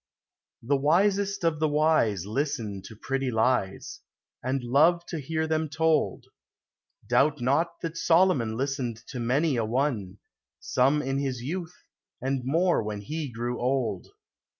The wisest of the wise Listen to pretty lies, And love to hear them told ; Doubt not that Solomon Listened to many a one, — Some in his youth, and more when he grew old.